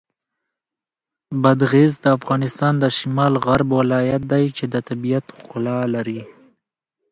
بادغیس د افغانستان د شمال غرب ولایت دی چې د طبیعت ښکلا لري.